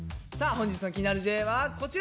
本日の気になるＪはこちら！